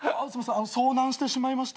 遭難してしまいまして。